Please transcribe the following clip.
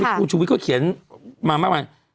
คุณชุวิตก็เขียนมามากมาย